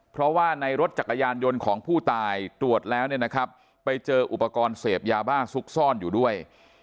เพราะว่าในรถจักรยานยนต์ของผู้ตายตรวจแล้วเนี่ยนะครับไปเจออุปกรณ์เสพยาบ้าซุกซ่อนอยู่ด้วย